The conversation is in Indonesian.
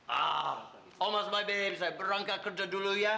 ah oh mas baibie bisa berangkat kerja dulu ya